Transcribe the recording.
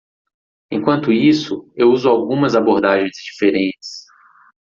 Enquanto isso,? eu uso algumas abordagens diferentes.